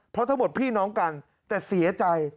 เพราะทั้งหมดพี่น้องกันแต่เสียใจ